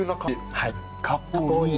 はい。